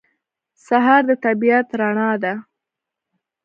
سهار د طبیعت رڼا ده.